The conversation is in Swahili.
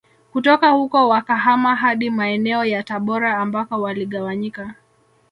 Kutoka huko wakahama hadi maeneo ya Tabora ambako waligawanyika